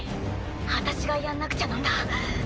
私がやんなくちゃなんだ。